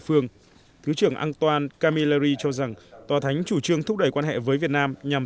quốc thứ trưởng antoine camilleri cho rằng tòa thánh chủ trương thúc đẩy quan hệ với việt nam nhằm